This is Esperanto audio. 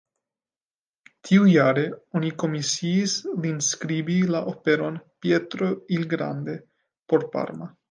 Tiujare oni komisiis lin skribi la operon "Pietro il Grande" por Parma.